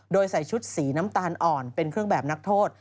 โดยใส่ชุดสีน้ำตาลอ่อนเป็นเครื่องแบบนักโทษ